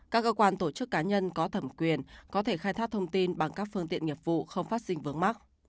các cơ quan tổ chức cá nhân có thẩm quyền có thể khai thác thông tin bằng các phương tiện nghiệp vụ không phát sinh vướng mắt